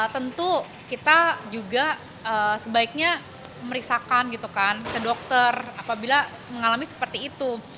tentu kita juga sebaiknya merisakan gitu kan ke dokter apabila mengalami seperti itu